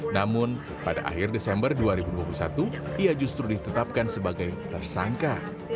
namun pada akhir desember dua ribu dua puluh satu ia justru ditetapkan sebagai tersangka